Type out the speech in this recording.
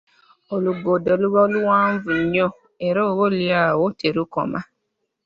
Oluguudo luba luwanvu nnyo era oboolyawo terukoma.